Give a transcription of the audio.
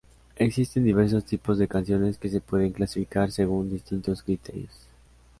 Existen diversos tipos de canciones que se pueden clasificar según distintos criterios.